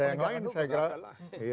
enggak ada yang lain